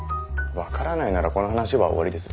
分からないならこの話は終わりです。